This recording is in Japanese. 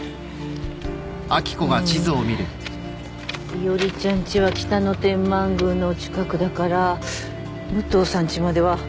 伊織ちゃんちは北野天満宮の近くだから武藤さんちまでは。